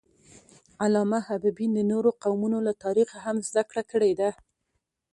علامه حبیبي د نورو قومونو له تاریخه هم زدهکړه کړې ده.